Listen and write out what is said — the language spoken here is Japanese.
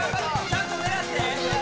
ちゃんと狙って。